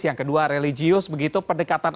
yang kedua religius begitu pendekatan